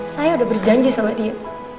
saya udah berjanji sama dia